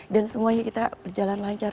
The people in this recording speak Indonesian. dan semuanya kita berjalan lancar